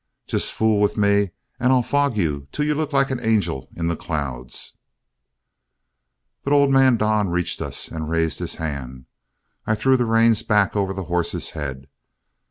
Just fool with me and I'll fog you till you look like an angel in the clouds." But old man Don reached us, and raised his hand. I threw the reins back over the horse's head.